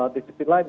di sisi lainnya